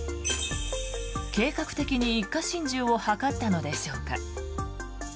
計画的に一家心中を図ったのでしょうか。